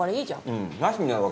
うん。